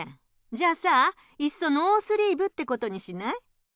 じゃあさいっそノースリーブってことにしない？